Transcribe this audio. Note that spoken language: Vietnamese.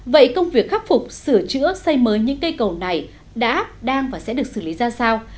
vậy công việc khắc phục sửa chữa xây mới những cây cầu này đã đang và sẽ được xử lý ra sao